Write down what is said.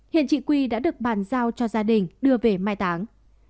hiện chị quy đã được bàn giao cho gia đình đưa về mai táng